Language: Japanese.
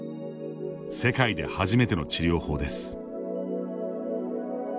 世界で初めての治療法です。